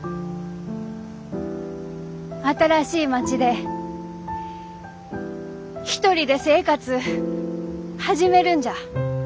新しい町で一人で生活う始めるんじゃ。